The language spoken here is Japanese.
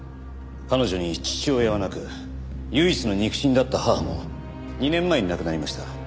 彼女に父親はなく唯一の肉親だった母も２年前に亡くなりました。